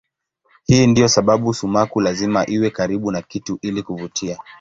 Hii ndiyo sababu sumaku lazima iwe karibu na kitu ili kuvutia.